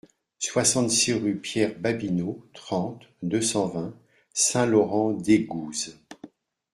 soixante-six rue Pierre-Babinot, trente, deux cent vingt, Saint-Laurent-d'Aigouze